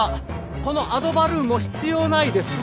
このアドバルーンも必要ないですね。